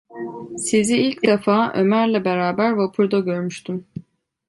Sizi ilk defa Ömer’le beraber vapurda görmüştüm!